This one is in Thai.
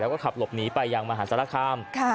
แล้วก็ขับหลบหนีไปยังมหาศาลคาม